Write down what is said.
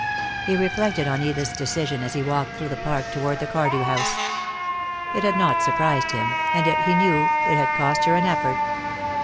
He reflected on Edith's decision as he walked through the park toward the Cardew house. It had not surprised him, and yet he knew it had cost her an effort.